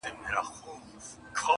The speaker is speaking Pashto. • موږ له آدمزاده څخه شل میدانه وړي دي -